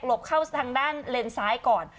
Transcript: เข้าทางด้านเลนซ้ายก่อน